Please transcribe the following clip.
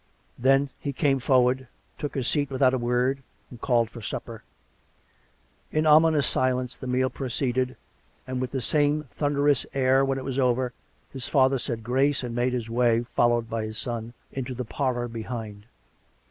Then he came forward, took his seat without a word, and called for supper. In ominous silence the meal proceeded, and 41 42 COME RACK! COME ROPE! with the same thunderous air, when it was over, his father said grace and made his way, followed by his son, into the parlour behind.